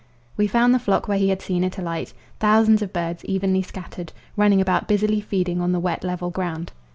We found the flock where he had seen it alight thousands of birds evenly scattered, running about busily feeding on the wet level ground.